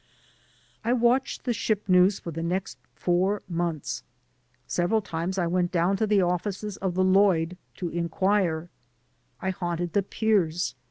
I watched the ship news for the next four months. Several times I went down to the offices of the Lloyd to inquire. I haunted the piers.